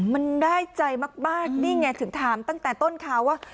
มันได้ใจมากนี่ไงถึงถามตั้งแต่ต้นข่าวว่า